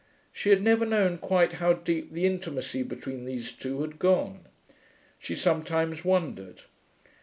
She had never known quite how deep the intimacy between these two had gone. She sometimes wondered.